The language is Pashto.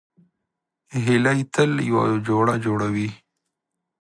هیلۍ تل یو جوړه جوړوي